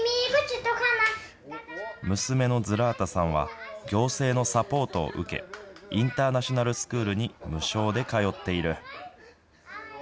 娘のズラータさんは、行政のサポートを受け、インターナショナルスクールに無償で通っている。